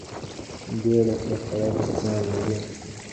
بیړه په خوراک کې زیان لري.